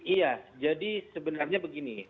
iya jadi sebenarnya begini